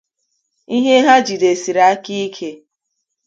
ihe ha jidesiri aka ike